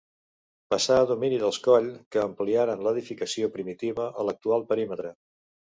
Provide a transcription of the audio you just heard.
Passà a domini dels Coll, que ampliaren l'edificació primitiva a l'actual perímetre.